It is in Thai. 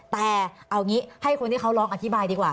แต่เอางี้ให้คนที่เขาร้องอธิบายดีกว่า